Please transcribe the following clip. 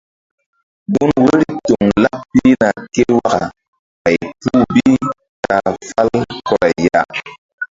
Gun wori toŋ laɓ pihna ké waka ɓày puh bi ta fàl kɔray ya.